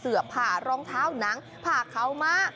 เสือกผ่ารองเท้านังผ่าเขามา